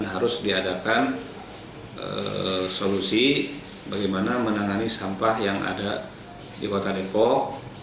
harus diadakan solusi bagaimana menangani sampah yang ada di kota depok